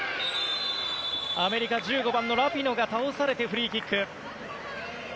アメリカ、１５番のラピノが倒されてフリーキック。